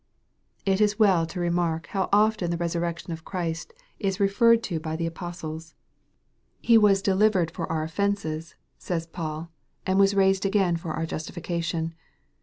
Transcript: It is well to remark how often the resurrection of Christ is referred to by MARK, CHAP. XVI. 359 the apostles. " He was delivered for our offences," says Paul, "and was raised again for our justification."